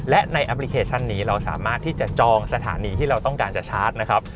และในแอปพลิเคชันนี้เราสามารถที่จะจองสถานีที่เราต้องการจะชาร์จนะครับ